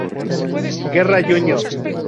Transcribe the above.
Guerra Jr.